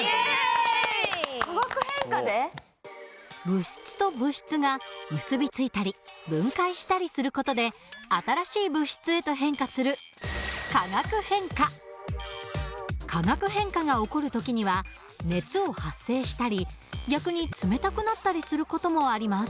物質と物質が結び付いたり分解したりする事で新しい物質へと変化する化学変化が起こる時には熱を発生したり逆に冷たくなったりする事もあります。